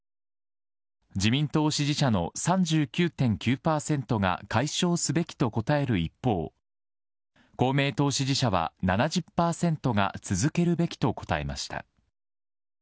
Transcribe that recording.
自民党支持者の３９．９％が解消すべきと答える一方、公明党支持者は７０％が続けるべきと答えました。